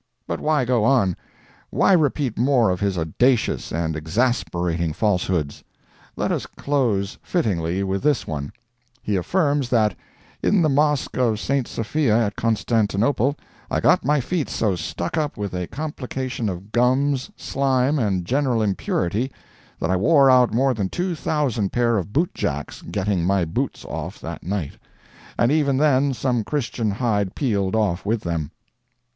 But why go on? Why repeat more of his audacious and exasperating falsehoods? Let us close fittingly with this one: he affirms that "in the mosque of St. Sophia at Constantinople I got my feet so stuck up with a complication of gums, slime, and general impurity, that I wore out more than two thousand pair of bootjacks getting my boots off that night, and even then some Christian hide peeled off with them."